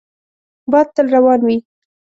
باد تل روان وي